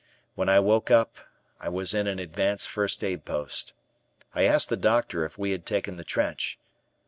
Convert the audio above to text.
When I woke up I was in an advanced first aid post. I asked the doctor if we had taken the trench.